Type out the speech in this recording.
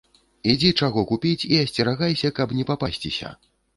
Ідзі чаго купіць і асцерагайся, каб не папасціся.